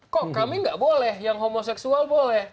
kok kami nggak boleh yang homoseksual boleh